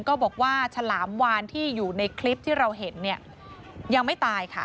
บอกว่าฉลามวานที่อยู่ในคลิปที่เราเห็นเนี่ยยังไม่ตายค่ะ